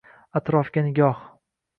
Atrofga nigoh